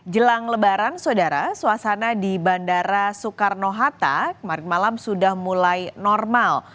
jelang lebaran saudara suasana di bandara soekarno hatta kemarin malam sudah mulai normal